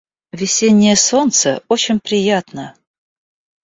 Весеннее солнце очень приятно.